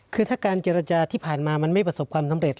คือถ้าการเจรจาที่ผ่านมามันไม่ประสบความสำเร็จ